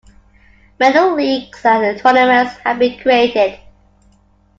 Many leagues and tournaments have been created.